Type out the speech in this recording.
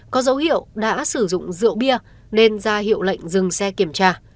có dấu hiệu đã sử dụng rượu bia nên ra hiệu lệnh dừng xe kiểm tra